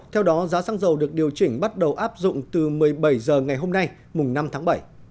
theo đó giá xăng dầu được điều chỉnh bắt đầu áp dụng từ một mươi bảy h ngày hôm nay mùng năm tháng bảy